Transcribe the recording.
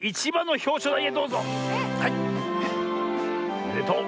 おめでとう。